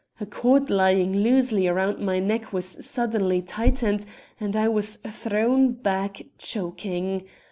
A cord lying loosely round my neck was suddenly tightened, and I was thrown back choking.